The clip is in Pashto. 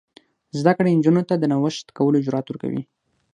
زده کړه نجونو ته د نوښت کولو جرات ورکوي.